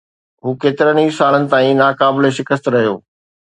هو ڪيترن ئي سالن تائين ناقابل شڪست رهيو